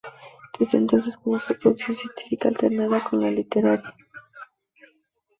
Desde entonces comenzó su producción científica, alternada con la literaria.